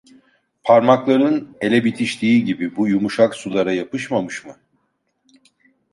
Parmakların ele bitiştiği gibi bu yumuşak sulara yapışmamış mı?